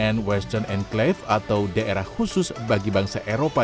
n western enclave atau daerah khusus bagi bangsa eropa